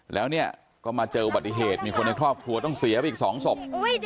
แล้วเนี่ยก็มาเจออุบัติเหตุมีคนในครอบครัวต้องเสียไปอีก๒ศพ